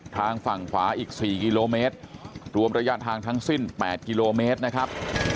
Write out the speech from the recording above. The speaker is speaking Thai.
ทางฝั่งขวาอีก๔กิโลเมตรรวมระยะทางทั้งสิ้น๘กิโลเมตรนะครับ